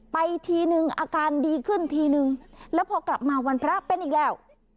ไปทีนึงอาการดีขึ้นทีนึงแล้วพอกลับมาวันพระเป็นอีกแล้ว